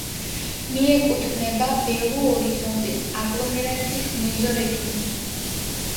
მიეკუთვნება ბელუ-ორიზონტის აგლომერაციის მეზორეგიონს.